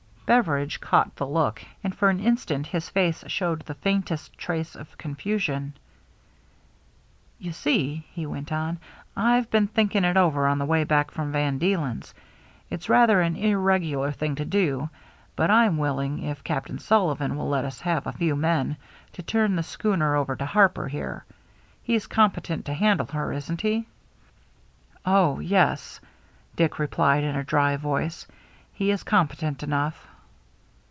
Bever 378 THE MERRT ANNE idge caught the look, and for an instant his face showed the faintest trace of confusion* " You see," he went on, " I've been thinking it over on the way back from Van Deelen's. It's rather an irregular thing tc do, but I'm willing, if Captain Sullivan will let us have a few men, to turn the schooner over to Harper here. He's competent to handle her, isn't he?" " Oh, yes," Dick replied in a dry voice, " he is competent enough."